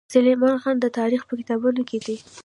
سلیمان غر د تاریخ په کتابونو کې دی.